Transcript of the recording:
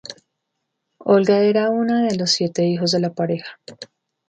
Olga era una de los siete hijos de la pareja.